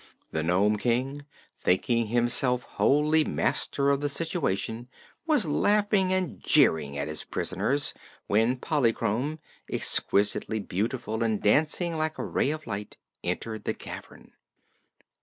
The Nome King, thinking himself wholly master of the situation, was laughing and jeering at his prisoners when Polychrome, exquisitely beautiful and dancing like a ray of light, entered the cavern.